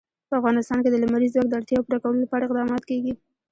په افغانستان کې د لمریز ځواک د اړتیاوو پوره کولو لپاره اقدامات کېږي.